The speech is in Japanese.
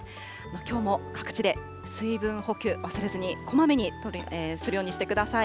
きょうも各地で水分補給、忘れずに、こまめにするようにしてください。